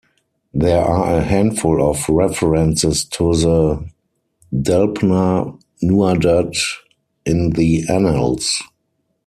There are a handful of references to the Delbhna Nuadat in the annals.